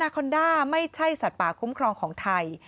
คอนด้าไม่ใช่สัตว์ป่าคุ้มครองของไทย